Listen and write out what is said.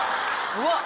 うわっ！